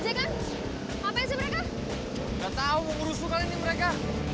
belum meny selection yang equivalent dulu ya